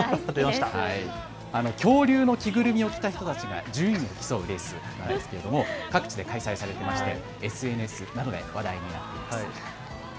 恐竜の着ぐるみを着た人たちが順位を競うレースなんですけれども各地で開催されていまして、ＳＮＳなどで話題になっています。